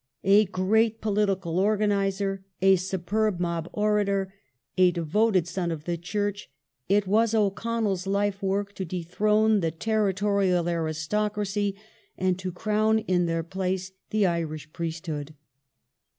A great political organizer, a superb mob orator, a de voted son of the Church, it was O'Connell's life work to dethrone the territorial aristocracy and to crown in their place the Irish priesthood.